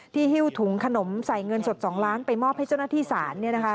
หิ้วถุงขนมใส่เงินสด๒ล้านไปมอบให้เจ้าหน้าที่ศาล